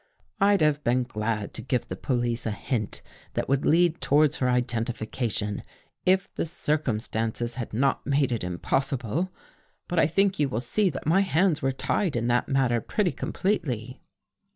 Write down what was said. I'd have been glad to give the police a hint that would lead towards her identification, if the circumstances had not made it impossible. But I think you will see that my hands were tied in that matter pretty completely."